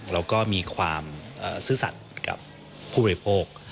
แล้วก็มีความซื่อสัตว์กับผู้บริโภค